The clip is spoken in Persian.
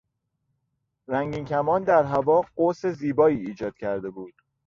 رنگین کمان در هوا قوس زیبایی ایجاد کرده بود.